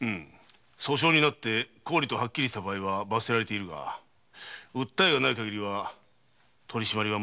訴訟で高利とはっきりした場合は罰せられるが訴えがないかぎりは取り締まりは難しいな。